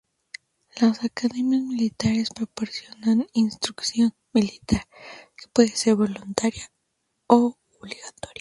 Las academias militares proporcionan instrucción militar, que puede ser voluntaria u obligatoria.